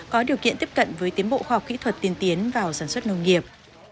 có điều kiện tiếp cận với tiến bộ khoa học kỹ thuật tiên tiến vào sản xuất nông nghiệp